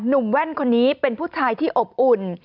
แว่นคนนี้เป็นผู้ชายที่อบอุ่น